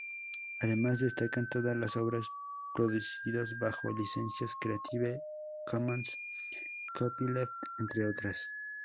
Además destacan todas las obras producidas bajo licencias creative commons, copyleft, entre otras.